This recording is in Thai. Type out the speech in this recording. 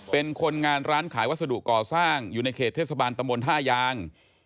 เป็นคนงานร้านขายวัสดุก่อสร้างอยู่ในเขตเทศบาลตะมนต์ท่ายาง